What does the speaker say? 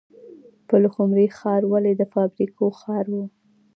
پلخمري ښار ولې د فابریکو ښار و؟